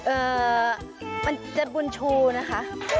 เอ่อมันจะบุญชูนะคะ